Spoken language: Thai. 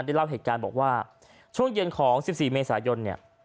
เล่าเหตุการณ์บอกว่าช่วงเย็นของ๑๔เมษายนเนี่ย